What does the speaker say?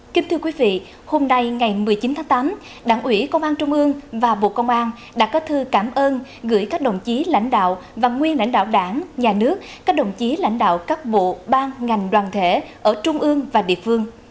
kính thưa quý vị hôm nay ngày một mươi chín tháng tám đảng ủy công an trung ương và bộ công an đã có thư cảm ơn gửi các đồng chí lãnh đạo và nguyên lãnh đạo đảng nhà nước các đồng chí lãnh đạo các bộ ban ngành đoàn thể ở trung ương và địa phương